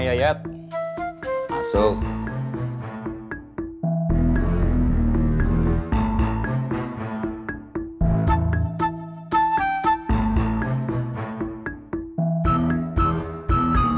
ya ada tiga orang